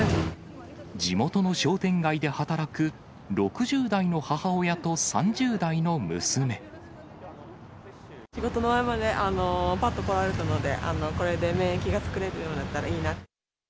地元の商店街で働く６０代の仕事の合間で、ぱっと来られたので、これで免疫が作れるようになったらいいな。